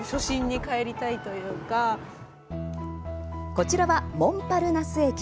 こちらは、モンパルナス駅。